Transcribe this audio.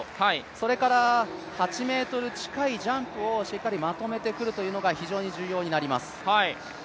それから、８ｍ近いジャンプをしっかりまとめてくるというのが非常に重要になります。